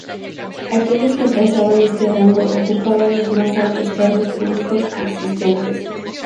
Aquellos que alcanzaban este rango ocupaban los más altos cargos públicos existentes.